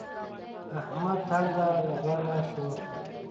احمد تانده لبانه شو.